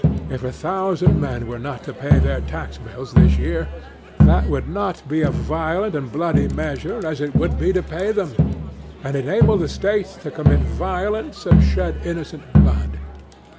If a thousand men were not to pay their tax bills this year, that would not be a violent and bloody measure, as it would be to pay them, and enable the State to commit violence and shed innocent blood.